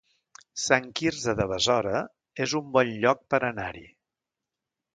Sant Quirze de Besora es un bon lloc per anar-hi